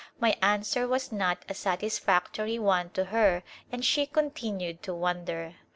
My answer was not a satisfactory one to her and she continued to wonder.